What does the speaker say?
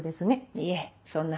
いえそんな。